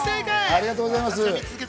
ありがとうございます。